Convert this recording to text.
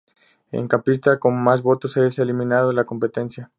El campista con más votos es eliminado de la competencia.